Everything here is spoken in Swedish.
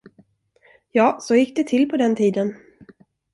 Ja, så gick det till på den tiden!